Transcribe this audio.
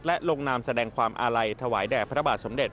และลงนามแสดงความอาลัยถวายแด่พระบาทสมเด็จ